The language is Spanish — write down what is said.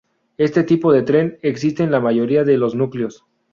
Este tipo de tren existe en la mayoría de los núcleos.